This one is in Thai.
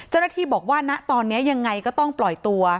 เจ้าหน้าที่บอกว่าณตอนนี้ยังไงก็ต้องปล่อยตัว